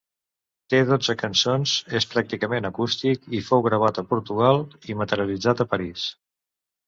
Té dotze cançons, és pràcticament acústic i fou gravat a Portugal i materialitzat a París.